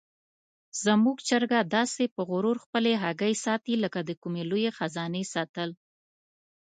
زموږ چرګه داسې په غرور خپلې هګۍ ساتي لکه د کومې لویې خزانې ساتل.